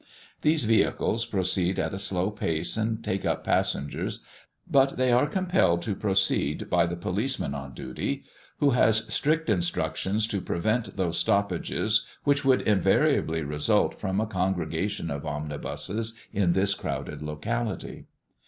These vehicles proceed at a slow pace, and take up passengers, but they are compelled to proceed by the policeman on duty, who has strict instructions to prevent those stoppages which would invariably result from a congregation of omnibuses in this crowded locality.